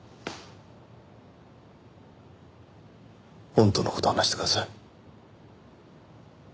本当の事を話してください。